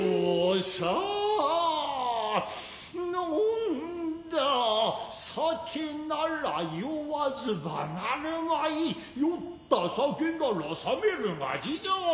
呑んだ酒なら酔わずばなるまい酔った酒ならさめるが事情。